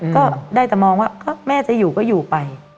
ก็ได้แต่มองว่าแม่จะอยู่ก็อยู่ไป